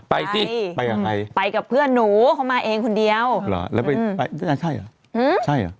ไปสิไปกับใครไปกับเพื่อนหนูเขามาเองคนเดียวแล้วไปใช่หรอ